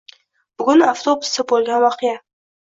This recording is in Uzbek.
Bugun avtobusda boʻlgan voqea